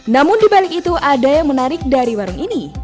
namun dibalik itu ada yang menarik dari warung ini